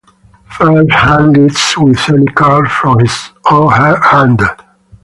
First hand leads with any card from his or her hand.